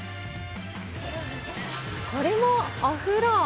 これもお風呂。